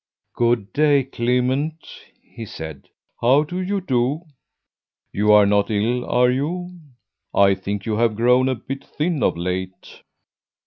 "Good day, Clement!" he said. "How do you do? You are not ill, are you? I think you have grown a bit thin of late."